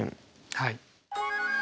はい。